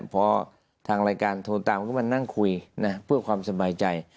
พอทางรายการโทรตามก็มานั่งคุยเพื่อความสบายใจ